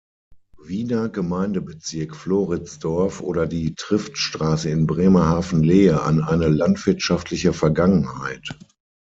Wiener Gemeindebezirk Floridsdorf oder die "Triftstraße" in Bremerhaven-Lehe an eine landwirtschaftliche Vergangenheit.